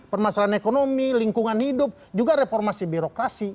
permasalahan ekonomi lingkungan hidup juga reformasi birokrasi